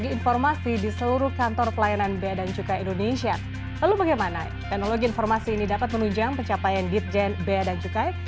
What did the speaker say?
informasi di seluruh kantor pelayanan bea dan cukai indonesia lalu bagaimana teknologi informasi ini dapat menunjang pencapaian ditjen bea dan cukai